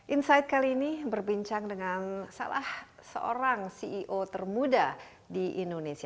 insight kali ini berbincang dengan salah seorang ceo termuda di indonesia